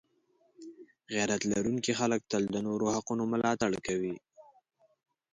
غیرت لرونکي خلک تل د نورو د حقونو ملاتړ کوي.